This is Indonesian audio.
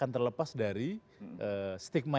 terlepas dari stigma